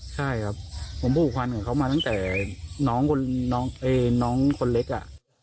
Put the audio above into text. ใช่ครับผมผูกพันกับเขามาตั้งแต่น้องคนเล็กอ่ะ